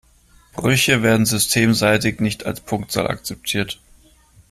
Brüche werden systemseitig nicht als Punktzahl akzeptiert.